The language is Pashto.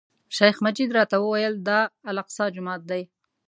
شیخ مجید راته وویل، دا الاقصی جومات دی.